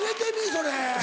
それ。